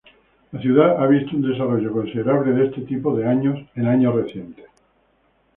La ciudad ha visto un desarrollo considerable de este tipo en años recientes.